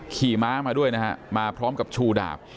ขี่ม้ามาด้วยนะฮะมาพร้อมกับชูดาบ